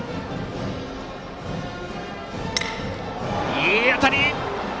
いい当たり！